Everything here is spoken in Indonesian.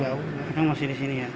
kadang masih di sini ya